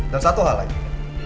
dan satu hal lagi